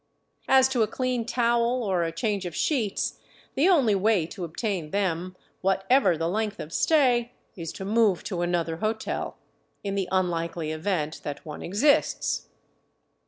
As to a clean towel or a change of sheets, the only way to obtain them, whatever the length of stay, is to move to another hotel — in the un likely event that one exists.